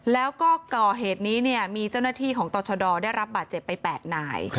แล้วก็ก่อเหตุนี้เนี่ยมีเจ้าหน้าที่ของต่อชดได้รับบาดเจ็บไป๘นาย